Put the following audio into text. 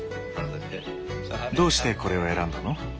どうしてこれを選んだの？